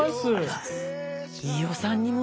飯尾さんにも。